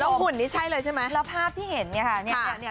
หุ่นนี่ใช่เลยใช่ไหมแล้วภาพที่เห็นเนี่ยค่ะ